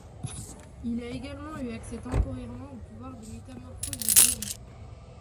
Il a également eu accès temporairement aux pouvoirs de métamorphoses de Dheluu.